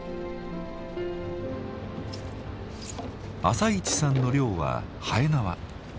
朝市さんの漁ははえなわ。